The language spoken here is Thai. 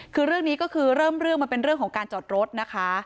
คือเรื่องนี้ก็คือเริ่มเรื่องมันเป็นเรื่องของการจอดรถนะคะ